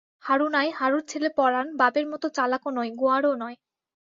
হারু নাই, হারুর ছেলে পরাণ বাপের মতো চালাকও নয়, গোয়ারও নয়।